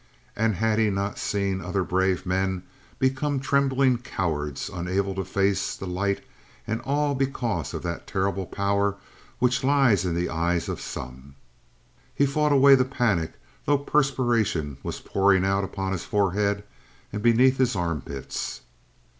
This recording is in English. And had he not seen other brave men become trembling cowards unable to face the light, and all because of that terrible power which lies in the eye of some? He fought away the panic, though perspiration was pouring out upon his forehead and beneath his armpits.